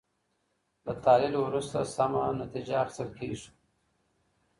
له تحلیل وروسته سمه نتیجه اخیستل کیږي.